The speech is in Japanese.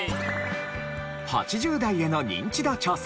８０代へのニンチド調査。